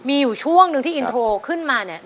มีอยู่ช่วงหนึ่งที่อินโทรขึ้นมาเนี่ย